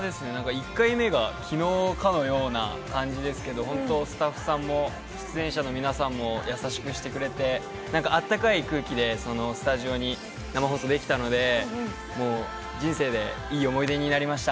１回目が昨日かのようで、スタッフさんも出演者の皆さんも優しくしてくれて、あったかい空気でスタジオで生放送ができたので、人生でいい思い出になりました。